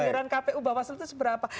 bahwa anggaran sel itu seberapa